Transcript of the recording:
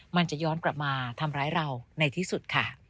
มันจะย้อนกลับมาทำร้ายเราในที่สุดค่ะ